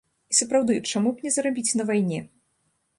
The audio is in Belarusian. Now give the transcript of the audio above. І сапраўды, чаму б не зарабіць на вайне?